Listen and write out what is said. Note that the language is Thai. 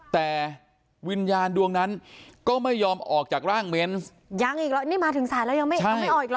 แต่วิญญาณดวงนั้นก็ไม่ยอมออกจากร่างเว้นส์ยังอีกหรอนี่มาถึงสารแล้วยังไม่ออกอีกหรอครับ